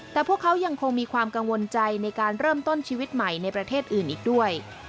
แต่พวกเขายังคงมีความกังวลใจในการเริ่มต้นชีวิตใหม่ในประเทศอื่นอีกด้วย